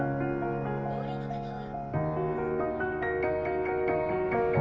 お降りの方は」。